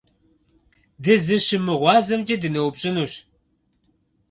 ДызыщымыгъуазэмкӀэ дыноупщӀынущ.